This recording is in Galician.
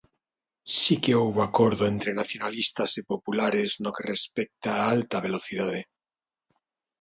Si que houbo acordo entre nacionalistas e populares no que respecta á alta velocidade.